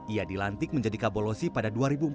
ia dilantik menjadi kabolosi pada dua ribu empat belas